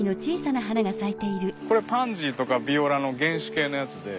これパンジーとかビオラの原種系のやつで。